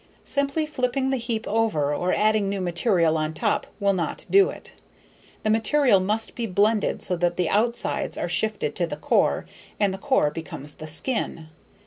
Simply flipping the heap over or adding new material on top will not do it. The material must be blended so that the outsides are shifted to the core and the core becomes the skin.